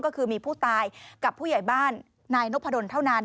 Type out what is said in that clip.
ก็คือมีผู้ตายกับผู้ใหญ่บ้านนายนพดลเท่านั้น